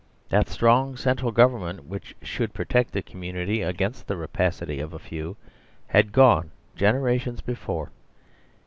That strong central government which should protect the community againstthe rapacity of a few had gone gen erations before.